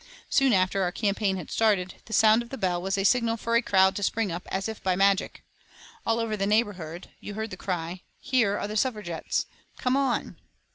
Soon after our campaign had started, the sound of the bell was a signal for a crowd to spring up as if by magic. All over the neighbourhood you heard the cry: "Here are the Suffragettes! Come on!"